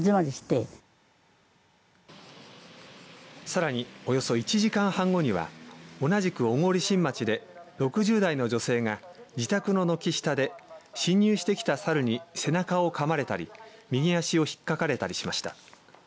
さらに、およそ１時間半後には同じく小郡新町で６０代の女性が自宅の軒下で侵入してきたサルに背中をかまれたり右脚をひっかかれたりしました。